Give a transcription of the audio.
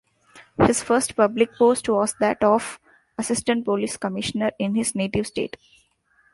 His first public post was that of Assistant Police Commissioner in his native state.